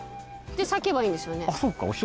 で裂けばいいんですよね？